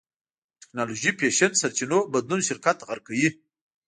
ټېکنالوژي فېشن سرچينو بدلون شرکت غرق کوي.